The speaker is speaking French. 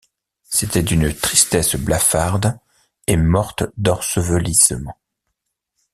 C’était d’une tristesse blafarde et morte d’ensevelissement.